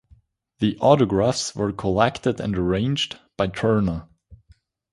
The autographs were collected and arranged by Turner.